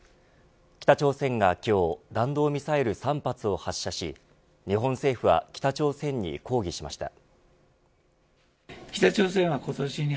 北朝鮮が今日弾道ミサイル３発を発射し日本政府は北朝鮮に抗議しました。